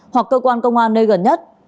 hoặc cơ quan công an nơi gần nhất